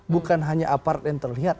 bukan hanya apart yang terlihat